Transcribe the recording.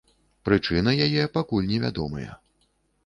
Прычыны яе пакуль невядомыя.